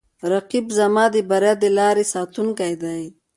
رقیب زما د بریا د لارې ساتونکی دی